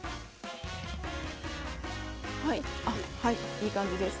いい感じです。